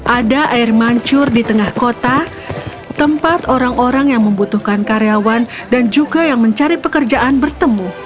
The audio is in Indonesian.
ada air mancur di tengah kota tempat orang orang yang membutuhkan karyawan dan juga yang mencari pekerjaan bertemu